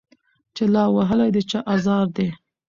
چي لا وهلی د چا آزار دی